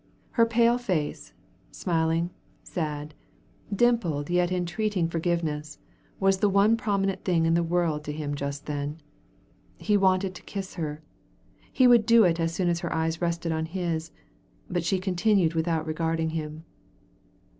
Her pale face, smiling, sad, dimpled yet entreating forgiveness, was the one prominent thing in the world to him just then. He wanted to kiss her. He would do it as soon as her eyes rested on his, but she continued without regarding him.